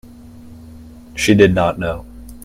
She did not know.